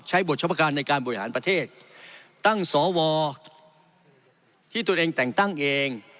บทเฉพาะการในการบริหารประเทศตั้งสวที่ตัวเองแต่งตั้งเอง